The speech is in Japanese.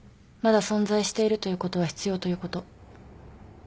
まだ存在しているということは必要ということ。